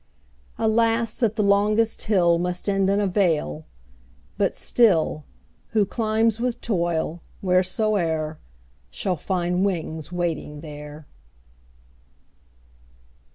20 Alas, that the longest hill Must end in a vale; but still, Who climbs with toil, wheresoe'er, Shall find wings waiting there.